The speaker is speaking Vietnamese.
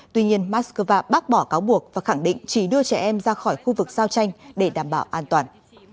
tuy nhiên moscow bác bỏ cáo buộc và khẳng định chỉ đưa trẻ em ra khỏi khu vực giao tranh để đảm bảo an toàn